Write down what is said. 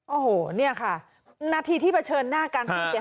โอ้โหนี่ค่ะนัดที่ที่เผชิญหน้าการสงสัย